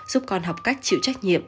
giúp con học cách chịu trách nhiệm